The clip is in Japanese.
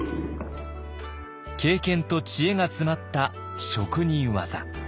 経験と知恵が詰まった職人技。